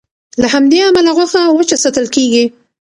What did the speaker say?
له همدې امله غوښه وچه ساتل کېږي.